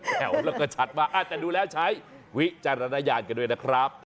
แถวแล้วก็ชัดมากแต่ดูแล้วใช้วิจารณญาณกันด้วยนะครับ